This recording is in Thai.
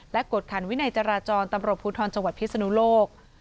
และกวดขันวินัยจราจรตำรวจภูทรจังหวัดพิศนุโลก